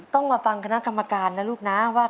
ต้องมาฟังคณะกรรมการนะลูกนะว่า